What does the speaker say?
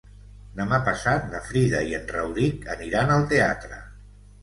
Demà passat na Frida i en Rauric aniran al teatre.